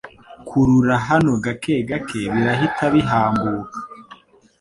Kurura hano gake gake birahita bihambuka .